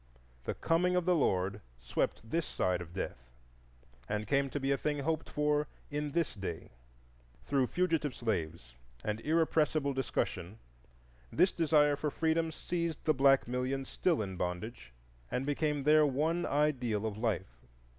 The "Coming of the Lord" swept this side of Death, and came to be a thing to be hoped for in this day. Through fugitive slaves and irrepressible discussion this desire for freedom seized the black millions still in bondage, and became their one ideal of life.